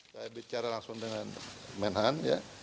saya bicara langsung dengan menhan ya